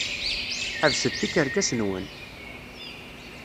Ḥebset tikerkas-nwen!